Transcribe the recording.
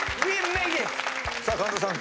さあ神田さん